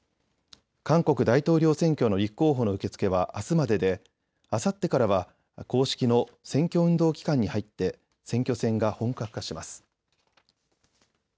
韓国大統領選挙の立候補の受け付けはあすまでであさってからは公式の選挙運動期間に入って選挙戦が本格化します。